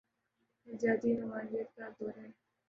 یہ نظریاتی رومانویت کا دور تھا۔